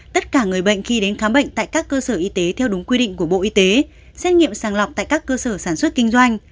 tất cả người bệnh khi đến khám bệnh tại các cơ sở y tế theo đúng quy định của bộ y tế xét nghiệm sàng lọc tại các cơ sở sản xuất kinh doanh